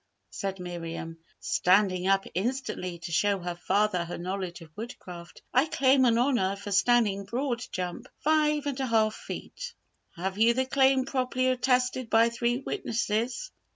said Miriam, standing up instantly to show her father her knowledge of Woodcraft, "I claim an Honour for standing broad jump five and a half feet." "Have you the claim properly attested by three witnesses?"